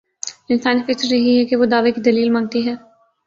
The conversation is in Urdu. انسانی فطرت یہی ہے کہ وہ دعوے کی دلیل مانگتی ہے۔